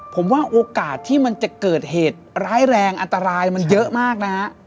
ผมว่าโอกาสที่มันจะเกิดเหตุร้ายแรงอันตรายมันเยอะมากนะฮะ